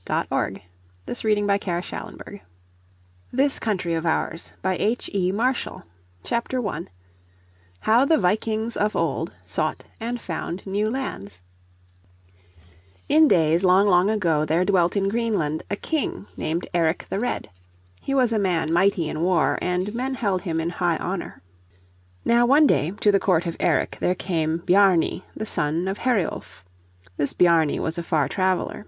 Wilson The Great War PART I STORIES OF EXPLORERS AND PIONEERS __________ Chapter 1 How the Vikings of Old Sought and Found New Lands In days long long ago there dwelt in Greenland a King named Eric the Red. He was a man mighty in war, and men held him in high honour. Now one day to the court of Eric there came Bjarni the son of Heriulf. This Bjarni was a far traveler.